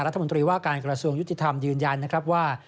รัฐมนตรีว่าการกรสวงยุติธรรมยืนยันว่า